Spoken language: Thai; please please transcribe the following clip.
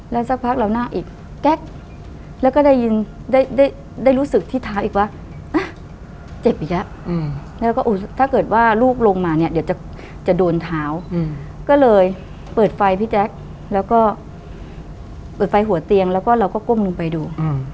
แล้วสักพักเราหน้าอีกแก๊กแล้วก็ได้ยินได้รู้สึกที่เท้าอีกว่าเจ็บอีกแล้วแล้วก็ถ้าเกิดว่าลูกลงมาเนี่ยเดี๋ยวจะโดนเท้าก็เลยเปิดไฟพี่แจ๊คแล้วก็เปิดไฟหัวเตียงแล้วก็เราก็ก้มลงไปดู